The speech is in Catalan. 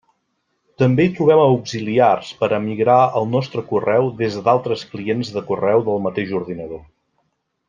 També hi trobem auxiliars per a migrar el nostre correu des d'altres clients de correu del mateix ordinador.